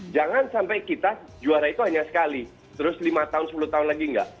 jangan sampai kita juara itu hanya sekali terus lima tahun sepuluh tahun lagi nggak